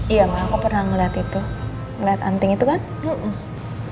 iya aku pernah melihat itu lihat anting itu gana